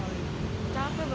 banyak kalau soal ini ya